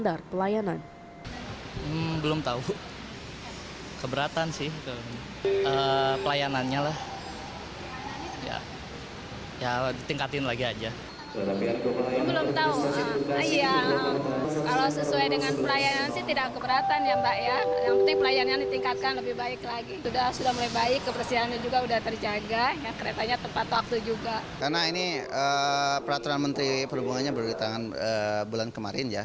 dan menjaga standar pelayanan